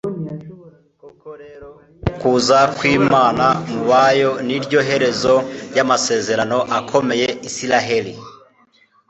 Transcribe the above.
koko rero ukuza kw'imana mu bayo ni ryo herezo ry'amasezerano akomeye isiraheli